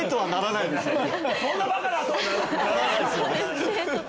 そんなバカな！とは。